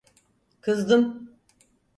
Kızdım.